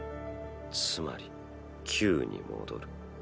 つまり球に戻る。